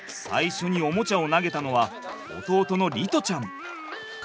最初にオモチャを投げたのは弟の璃士ちゃん。